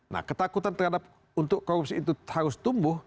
nah ketakutan terhadap untuk korupsi itu harus tumbuh